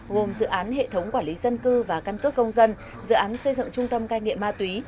gồm dự án hệ thống quản lý dân cư và căn cước công dân dự án xây dựng trung tâm cai nghiện ma túy